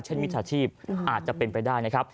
มิจฉาชีพอาจจะเป็นไปได้นะครับ